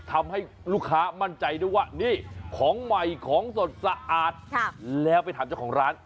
ทำให้ลูกค้ามั่นใจด้วยว่านี่ของใหม่ของสดสะอาดแล้วไปถามเจ้าของร้าน